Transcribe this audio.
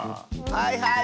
はいはい！